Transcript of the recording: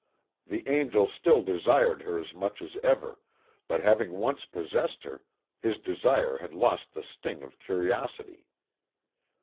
The angel still desired her as much as ever, but having once possessed her, his desire had lost the sting of curiosity.